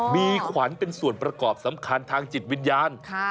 มีขวัญเป็นส่วนประกอบสำคัญทางจิตวิญญาณ